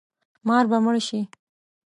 مار به مړ شي